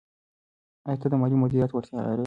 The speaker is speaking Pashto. آیا ته د مالي مدیریت وړتیا لرې؟